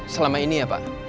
selama ini ya pak